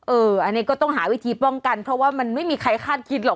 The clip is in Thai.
อันนี้ก็ต้องหาวิธีป้องกันเพราะว่ามันไม่มีใครคาดคิดหรอก